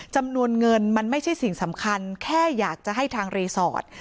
จำนวนเงินมันไม่ใช่สิ่งสำคัญแค่อยากจะให้ทางรีสอร์ท